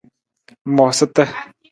Moosata.